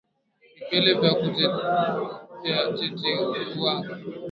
Vipele vya tetekuwanga